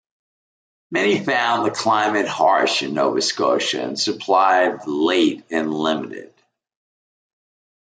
Many found the climate harsh in Nova Scotia, and supplies late and limited.